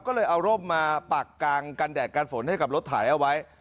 ก็เลยเอาร่มมาปากกางกันแดดกันฝนให้กับรถถ่ายเอาไว้